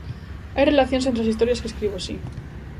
Hai relacións entre as historias que escribo, si.